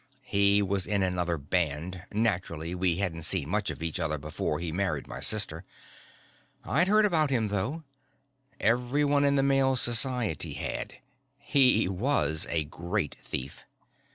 He was in another band; naturally we hadn't seen much of each other before he married my sister. I'd heard about him, though: everyone in the Male Society had he was a great thief.